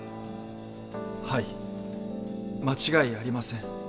はい間違いありません。